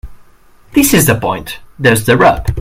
This is the point. There's the rub.